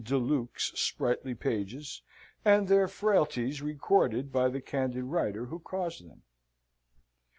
le Duc's sprightly pages, and their frailties recorded by the candid writer who caused them.